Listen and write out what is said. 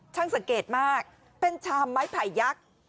สังเกตมากเป็นชามไม้ไผ่ยักษ์